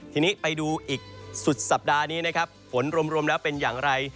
ทีนี้ไปดูอีกสุดสัปดาห์นี้นะครับฝนรวมแล้วเป็นอย่างไร